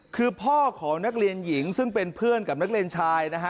คือพ่อของนักเรียนหญิงซึ่งเป็นเพื่อนกับนักเรียนชายนะฮะ